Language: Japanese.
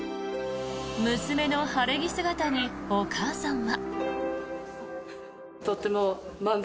娘の晴れ着姿にお母さんは。